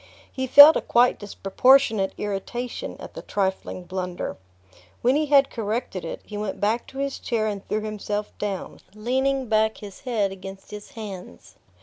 He felt a quite disproportionate irritation at the trifling blunder. When he had corrected it he went back to his chair and threw himself down, leaning back his head against his hands.